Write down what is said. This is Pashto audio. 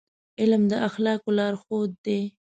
علم د اخلاقو لارښود دی.